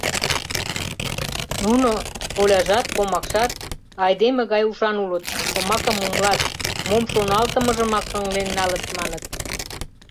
Нуно, коляжат, комакшат, айдеме гай ушан улыт, шомакым умылат, мом шоналтымыжымат ыҥлен налыт, маныт.